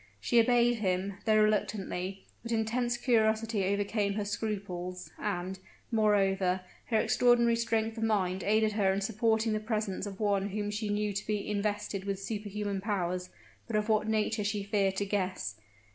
She obeyed him, though reluctantly; but intense curiosity overcame her scruples, and, moreover, her extraordinary strength of mind aided her in supporting the presence of one whom she knew to be invested with superhuman powers but of what nature she feared to guess.